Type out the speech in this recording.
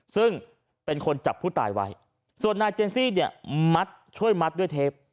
ซึ่งเป็นคนจับผู้ตายไว้ส่วนนายเจนซี่มัดโดยเทป